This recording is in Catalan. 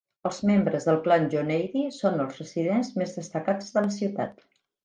Els membres del clan Joneidi són els residents més destacats de la ciutat.